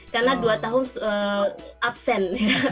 karena dua tahun absen